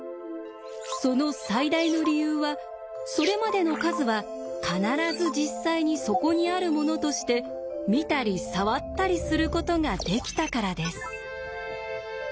その最大の理由はそれまでの数は必ず実際にそこにあるものとして見たり触ったりすることができたからです。